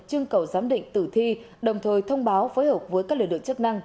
chương cầu giám định tử thi đồng thời thông báo phối hợp với các lực lượng chức năng